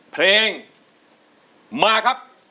เพลงมาครับ